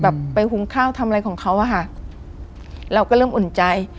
แบบไปหุงข้าวทำอะไรของเขาอะค่ะเราก็เริ่มอุ่นใจ